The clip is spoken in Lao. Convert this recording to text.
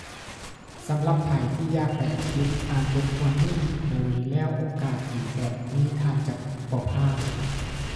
ສຳລັບໃຜທີ່ຢາກໄປອັງກິດ ອ່ານບົດຄວາມນີ້ເລີຍແລ້ວໂອກາດດີແບບນີ້ທ່ານຈະບໍ່ພາດ.